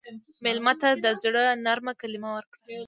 مېلمه ته د زړه نرمه کلمه ورکړه.